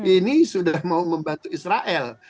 ini sudah mau membantu israel